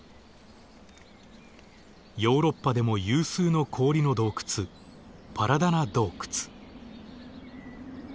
ヨーロッパでも有数の氷の洞窟パラダナ洞窟。